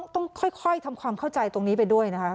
ต้องค่อยทำความเข้าใจตรงนี้ไปด้วยนะคะ